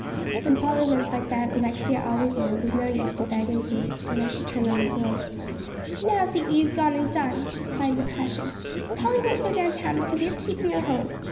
When Polly looked like that, Alexia always knew it was no use to beg and plead, so now she turned on the boys. "Now see what you've gone and done," she cried in a passion. "Polly won't go down town because you're keeping her home.